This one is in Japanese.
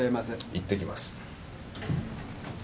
行ってきます。